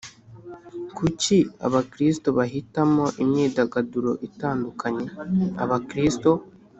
Kuki Abakristo bahitamo imyidagaduro itandukanye Abakristo